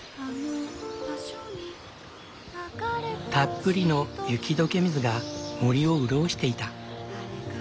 たっぷりの雪解け水が森を潤していた。